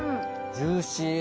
ジューシー。